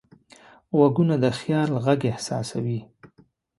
غوږونه د خیال غږ احساسوي